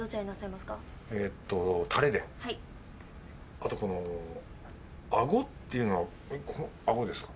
あとこのアゴっていうのはこのアゴですか？